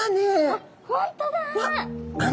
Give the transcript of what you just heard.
あっ本当だ！